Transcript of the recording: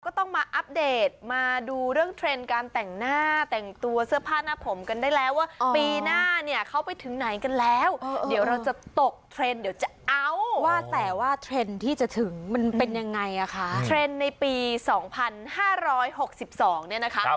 ก็ต้องมาอัปเดตมาดูเรื่องเทรนด์การแต่งหน้าแต่งตัวเสื้อผ้าหน้าผมกันได้แล้วว่าปีหน้าเนี่ยเขาไปถึงไหนกันแล้วเดี๋ยวเราจะตกเทรนด์เดี๋ยวจะเอาว่าแต่ว่าเทรนด์ที่จะถึงมันเป็นยังไงอ่ะคะเทรนด์ในปี๒๕๖๒เนี่ยนะคะ